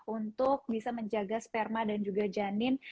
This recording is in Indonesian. untuk bisa menjaga sperma dan juga janin